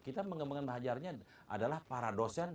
kita pengembangan bahan ajarnya adalah para dosen